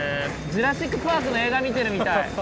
「ジュラシック・パーク」の映画見てるみたい。